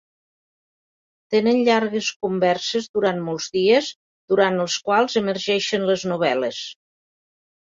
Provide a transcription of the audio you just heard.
Tenen llargues converses durant molts dies, durant els quals emergeixen les novel·les.